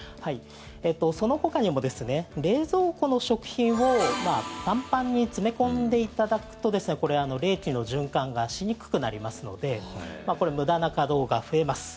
そのほかにも、冷蔵庫の食品をパンパンに詰め込んでいただくとこれ、冷気の循環がしにくくなりますのでこれ、無駄な稼働が増えます。